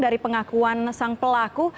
dari pengakuan sang pelaku